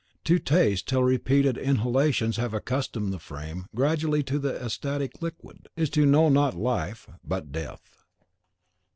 To taste till repeated inhalations have accustomed the frame gradually to the ecstatic liquid, is to know not life, but death."